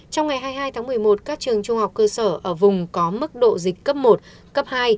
trong ngày hai mươi hai tháng một mươi một các trường trung học cơ sở ở vùng có mức độ dịch cấp một cấp hai